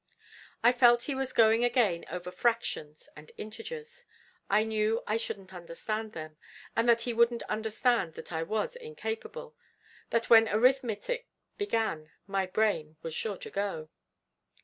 I felt he was going again over 'fractions' and the 'integers.' I knew I shouldn't understand them; and that he wouldn't understand that I was 'incapable,' that when arithmetic began my brain was sure to go!